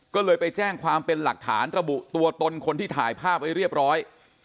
ก็เลยไปแจ้งความเป็นหลักฐานระบุตัวตนคนที่ถ่ายภาพไว้เรียบร้อย